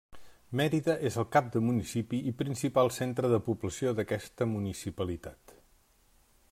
Mérida és el cap de municipi i principal centre de població d'aquesta municipalitat.